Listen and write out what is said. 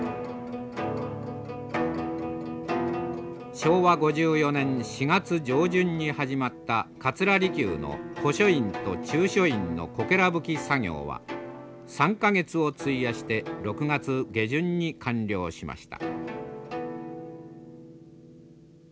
昭和５４年４月上旬に始まった桂離宮の古書院と中書院のこけら葺き作業は３か月を費やして６月下旬に完了しました。